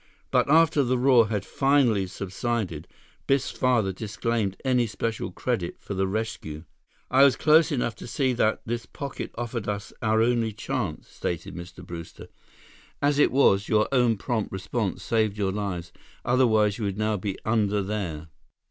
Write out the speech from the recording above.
But after the roar had finally subsided, Biff's father disclaimed any special credit for the rescue. "I was close enough to see that this pocket offered us our only chance," stated Mr. Brewster. "As it was, your own prompt response saved your lives. Otherwise, you would now be under there."